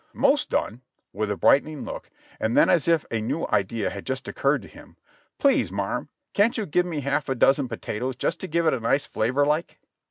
"Mos' done," with a brightening look, and then as if a new idea had just occurred to him : "Please, marm, can't you give me a half a dozen potatoes just to give it a nice flavor like."